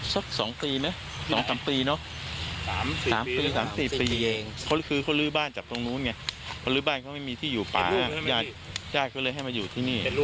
หรือบ้านเขาไม่มีที่อยู่ป่าญาติก็เลยให้มาอยู่ที่นี่